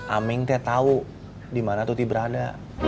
aming teh tau dimana tuti berada